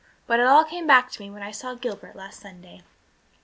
But it all came back to me when I saw Gilbert last Sunday."